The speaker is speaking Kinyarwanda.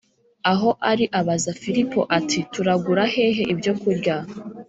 aho ari abaza Filipo ati Turagura hehe ibyokurya